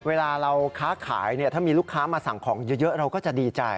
เวลาเราค้าขายเนี่ยถ้ามีลูกค้ามาสั่งของเยอะเราก็จะดีใจ